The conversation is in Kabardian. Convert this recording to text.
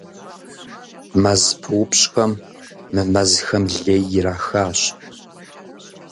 МэзпыупщӀхэм мы мэзхэм лей ирахащ.